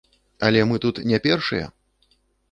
Але мы тут не першыя!